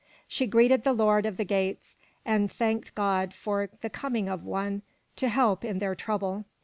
She greeted the lord of the Geats and thanked God for the coming of one to help in their trouble.